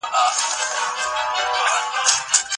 لیکوالان کله کله ټولنیز حالت بیانوي.